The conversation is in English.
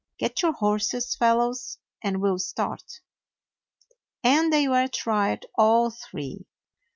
Get your horses, fellows, and we 'll start." And they were tried, all three.